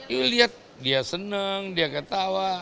yuk lihat dia senang dia ketawa